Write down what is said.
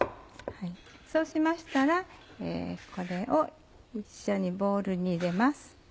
そうしましたらこれを一緒にボウルに入れます。